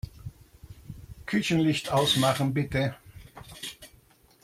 Küchenlicht ausmachen, bitte.